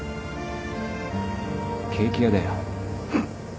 ケーキ屋だよ。